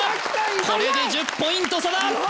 これで１０ポイント差だ